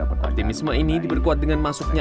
optimisme ini diperkuat dengan masuknya